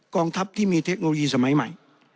กองทัพที่มีเทคโนโลยีสมัยใหม่